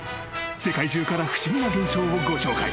［世界中から不思議な現象をご紹介］